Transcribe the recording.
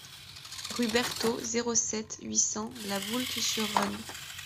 Rue Bertraud, zéro sept, huit cents La Voulte-sur-Rhône